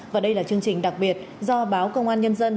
và đây là chương trình đặc biệt do báo công an nhân dân